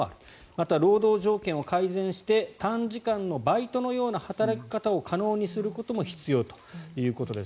また、労働条件を改善して短時間のバイトのような働き方を可能にすることも必要ということです。